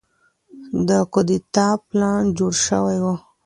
د کودتا پلان جوړ شوی و.